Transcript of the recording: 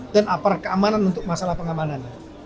dan aparat keamanan untuk masalah pengamanan